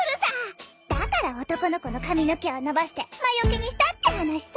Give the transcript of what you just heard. だから男の子の髪の毛を伸ばして魔よけにしたって話さ。